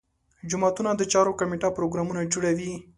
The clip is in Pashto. جوماتونو د چارو کمیټه پروګرامونه جوړوي.